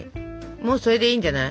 もうそれでいいんじゃない？